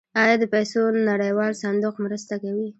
آیا د پیسو نړیوال صندوق مرسته کوي؟